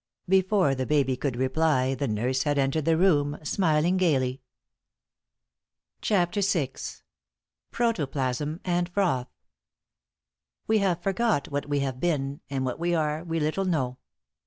Before the baby could reply, the nurse had entered the room, smiling gaily. *CHAPTER VI.* *PROTOPLASM AND FROTH.* We have forgot what we have been, And what we are we little know.